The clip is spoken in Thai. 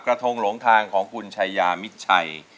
กระทงหลงทางของคุณชายามิดชัย